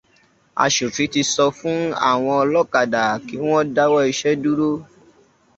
Aṣòfin ti sọ fún àwọn ọlọ́kadà kí wọ́n dáwọ́ iṣẹ́ dúró.